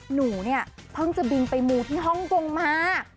หนูเนี่ยเพิ่งจะบินไปมูที่ฮ่องกงมา